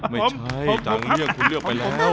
ไม่ใช่จางเลี่ยงคุณเลือกไปแล้ว